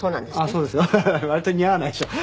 そうですよ。割と似合わないでしょ。